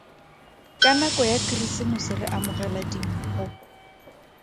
Ka nako ya Keresemose re amogela dimpho.